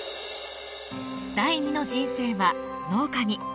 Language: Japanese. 第二の人生は農家に。